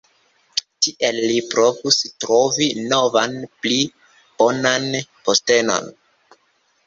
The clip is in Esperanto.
Tiel li provis trovi novan pli bonan postenon.